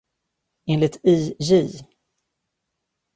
Enligt I. J.